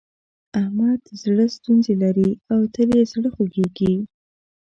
احمد د زړه ستونزې لري او تل يې زړه خوږېږي.